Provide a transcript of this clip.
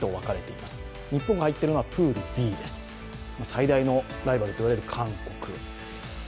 最大のライバルと言われる韓国。